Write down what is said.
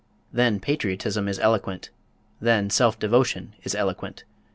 Then patriotism is eloquent, then self devotion is eloquent.